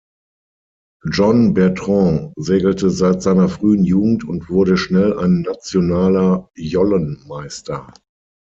John Bertrand segelte seit seiner frühen Jugend und wurde schnell ein nationaler Jollen-Meister.